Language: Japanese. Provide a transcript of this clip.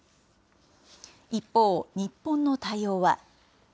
一方、日本の対応は。